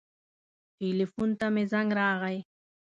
ټیلیفون ته مې زنګ راغی.